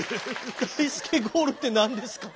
だいすけゴールって何ですか？